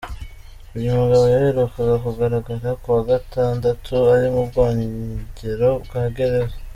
Uyu mugabo yaherukaga kugaragara kuwa gatandatu ari mu bwogero bwa gereza.